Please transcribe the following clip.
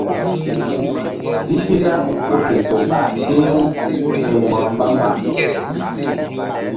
Pipila ƴo ke sol ɓa peh-u ke mgbɔr mba-mba.